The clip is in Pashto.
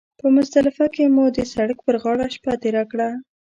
په مزدلفه کې مو د سړک پر غاړه شپه تېره کړه.